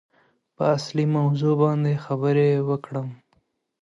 په اصلي موضوع باندې خبرې وکړم.